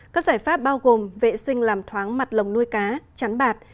các giải pháp bao gồm vệ sinh làm thoáng mặt lồng nuôi cá chắn bạt